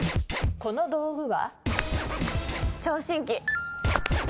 この道具は？